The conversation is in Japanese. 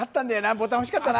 ボタン欲しかったな。